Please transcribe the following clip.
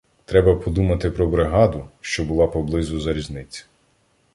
Треба подумати про бригаду, що була поблизу залізниці.